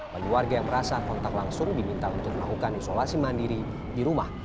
bagi warga yang merasa kontak langsung diminta untuk melakukan isolasi mandiri di rumah